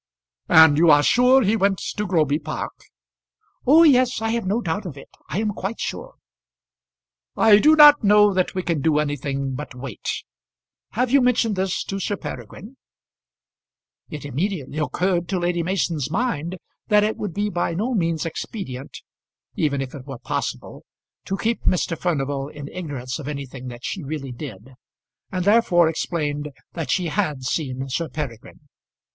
"And you are sure he went to Groby Park?" "Oh, yes; I have no doubt of it. I am quite sure." "I do not know that we can do anything but wait. Have you mentioned this to Sir Peregrine?" It immediately occurred to Lady Mason's mind that it would be by no means expedient, even if it were possible, to keep Mr. Furnival in ignorance of anything that she really did; and therefore explained that she had seen Sir Peregrine.